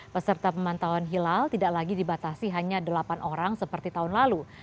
peserta pemantauan hilal tidak lagi dibatasi hanya delapan orang seperti tahun lalu